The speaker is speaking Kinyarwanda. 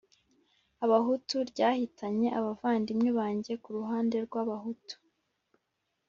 Abahutu ryahitanye abavandimwe banjye ku ruhande rw'Abahutu.